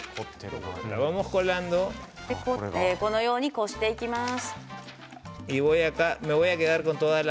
このようにこしていきます。